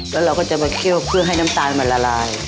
แล้วเราก็จะมาเคี่ยวเพื่อให้น้ำตาลมันละลาย